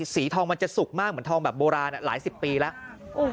สีทองมันจะสุกมากเหมือนทองแบบโบราณหลายสิบปีแล้ว